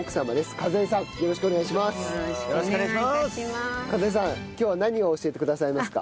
数江さん今日は何を教えてくださいますか？